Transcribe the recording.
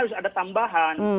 harus ada tambahan